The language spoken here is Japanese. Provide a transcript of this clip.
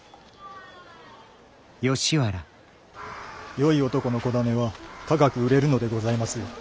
よい男の子種は高く売れるのでございますよ。